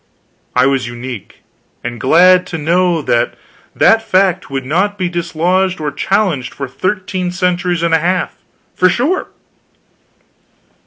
I was a Unique; and glad to know that that fact could not be dislodged or challenged for thirteen centuries and a half, for sure.